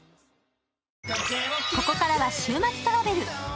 ここからは週末トラベル。